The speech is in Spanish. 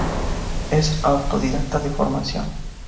Es autodidacta de formación.